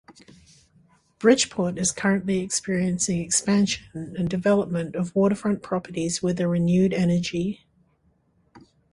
Bridgeport is currently experiencing expansion and development of waterfront properties with a renewed energy.